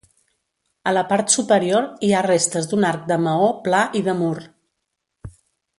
A la part superior hi ha restes d'un arc de maó pla i de mur.